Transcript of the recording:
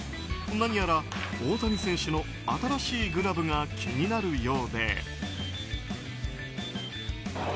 何やら大谷選手の新しいグラブが気になるようで。